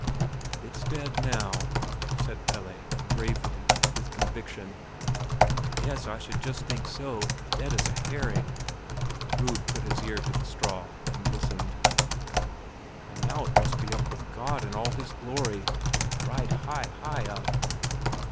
"It's dead now!" said Pelle, gravely and with conviction. "Yes, I should just think so—dead as a herring." Rud had put his ear to the straw and listened. "And now it must be up with God in all His glory—right high, high up."